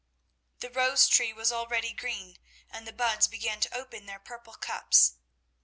The rose tree was already green, and the buds began to open their purple cups.